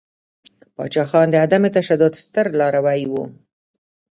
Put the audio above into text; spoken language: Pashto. پاچاخان د عدم تشدد ستر لاروی ؤ.